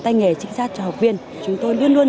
tay nghề chính xác cho học viên chúng tôi luôn luôn